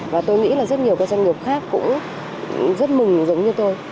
và tôi nghĩ là rất nhiều các doanh nghiệp khác cũng rất mừng giống như tôi